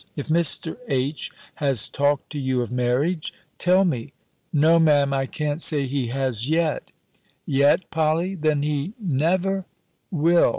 If Mr. H. has talked to you of marriage, tell me." "No, Me'm, I can't say he has yet." "Yet, Polly! Then he never. will.